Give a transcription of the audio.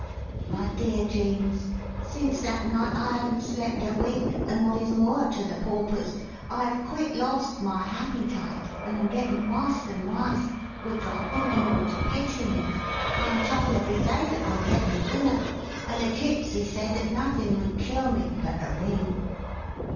my deer gemes Sins that Nite i Havent slept a Wink and Wot is moor to the Porpus i Have quit Lost my Happy tight and am gettin wus and wus witch i Think yu ort to pitty Mee. i am Tolled every Day that ime Gettin Thinner and a Jipsy sed that nothin wood Cure me But a Ring.